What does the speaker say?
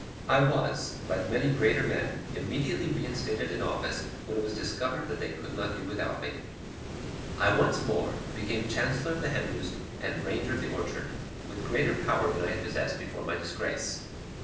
I was, like many greater men, immediately reinstated in office when it was discovered that they could not do without me. I once more became chancellor of the hen roost and ranger of the orchard, with greater power than I had possessed before my disgrace.